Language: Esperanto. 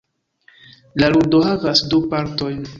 La ludo havas du partojn.